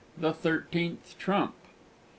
THE THIRTEENTH TRUMP XIV.